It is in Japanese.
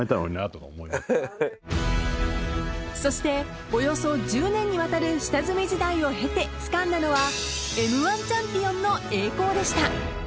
［そしておよそ１０年にわたる下積み時代を経てつかんだのはＭ−１チャンピオンの栄光でした］